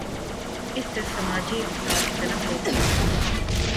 اس سے سماجی فساد جنم لیتا ہے۔